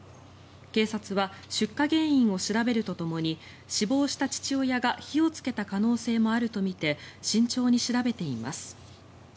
警察は出火原因を調べるとともに死亡した父親が火をつけた可能性もあるとみて慎重に調べています。